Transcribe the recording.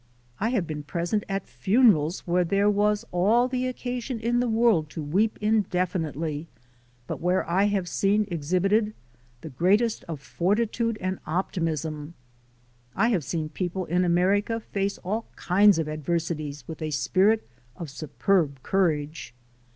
I have been present at funerals where there was all the occasion in the world to weep indefinitely, but where I have seen exhibited the greatest of fortitude and optimism; I have seen people in America face all kinds of adversities with a spirit of superb courage.